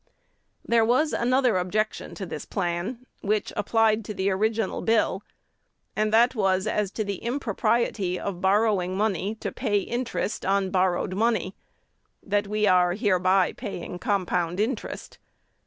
"There was another objection to this plan, which applied to the original bill; and that was as to the impropriety of borrowing money to pay interest on borrowed money, that we are hereby paying compound interest.